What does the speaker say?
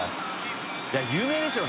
有名でしょうね